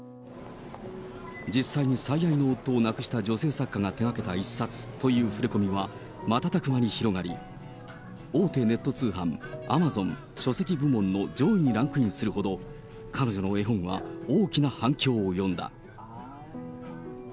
実際に最愛の夫を亡くした女性が手がけた一冊という触れ込みは、瞬く間に広がり、大手ネット通販、アマゾン書籍部門の上位にランクインするほど、彼女の絵本は大きな反響を呼んだ。